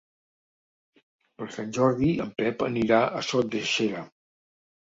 Per Sant Jordi en Pep anirà a Sot de Xera.